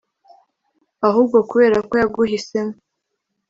ahubwo kubera ko yaguhisemo